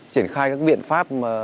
triển khai các biện pháp